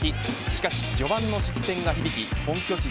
しかし、序盤の失点が響き本拠地ＺＯＺＯ